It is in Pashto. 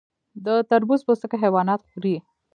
د تربوز پوستکي حیوانات خوري.